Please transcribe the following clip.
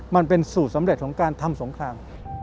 มันเป็นสูตรสำเร็จของการทำสงคราม